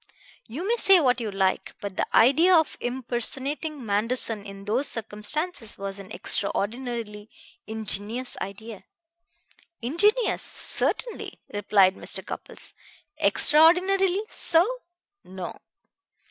You may say what you like, but the idea of impersonating Manderson in those circumstances was an extraordinarily ingenious idea." "Ingenious certainly!" replied Mr. Cupples. "Extraordinarily so no!